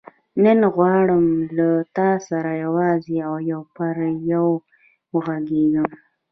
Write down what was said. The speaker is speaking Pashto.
نن غواړم له تا سره یوازې او یو پر یو وغږېږم.